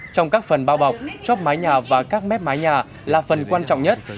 trong các phần bao bọc chóp mái nhà và các mép mái nhà là phần quan trọng nhất